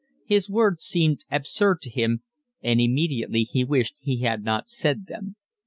His words seemed absurd to him, and immediately he wished he had not said them.